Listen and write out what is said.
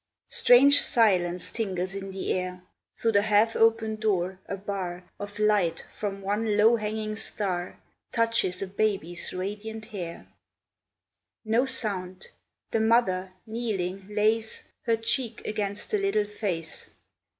Strange silence tingles in the air; Through the half open door a bar Of light from one low hanging star Touches a baby's radiant hair No sound the mother, kneeling, lays Her cheek against the little face.